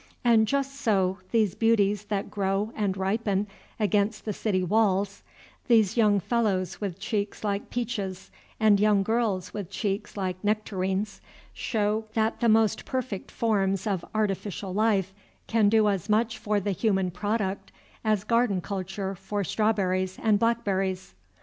And just so these beauties that grow and ripen against the city walls, these young fellows with cheeks like peaches and young girls with cheeks like nectarines, show that the most perfect forms of artificial life can do as much for the human product as garden culture for strawberries and blackberries.